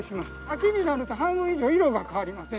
秋になると半分以上色が変わります。